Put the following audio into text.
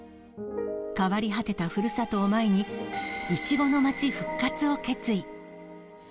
変わり果てたふるさとを前に、イチゴの町復活を決意。